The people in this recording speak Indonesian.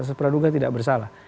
seseorang yang tidak bersalah